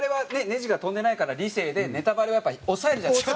ネジが飛んでないから理性でネタバレをやっぱり抑えるじゃないですか。